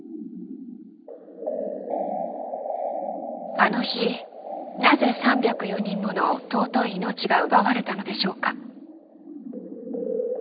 あの日なぜ３０４人もの尊い命が奪われたのでしょうか。